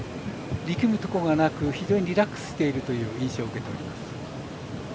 力むところがなく非常にリラックスしているという印象を受けております。